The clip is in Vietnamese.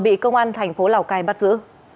bị công an thành phố lào cai bắt giữ